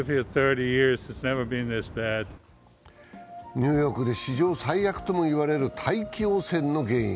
ニューヨークで史上最悪ともいわれる大気汚染の原因。